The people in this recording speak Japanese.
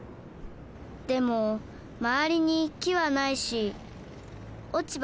でもまわりに木はないし落ち葉